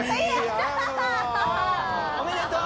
おめでとう。